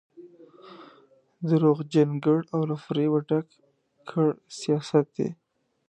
درواغجن ګړ او له فرېبه ډک کړ سیاست دی.